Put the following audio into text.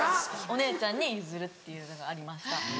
お姉ちゃんに譲るっていうのがありました。